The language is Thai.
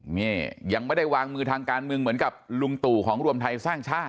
นี่ยังไม่ได้วางมือทางการเมืองเหมือนกับลุงตู่ของรวมไทยสร้างชาติ